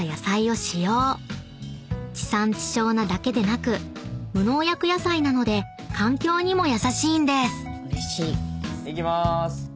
［地産地消なだけでなく無農薬野菜なので環境にも優しいんです］いきまーす。